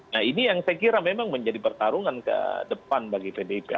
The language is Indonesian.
nah ini yang saya kira memang menjadi pertarungan ke depan bagi pdip